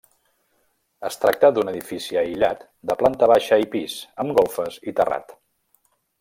Es tracta d'un edifici aïllat de planta baixa i pis, amb golfes i terrat.